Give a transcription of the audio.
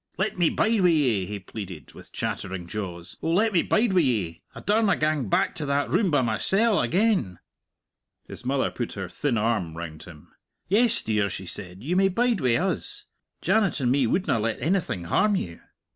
"Let me bide wi' ye!" he pleaded, with chattering jaws; "oh, let me bide wi' ye! I daurna gang back to that room by mysell again." His mother put her thin arm round him. "Yes, dear," she said; "you may bide wi' us. Janet and me wouldna let anything harm you."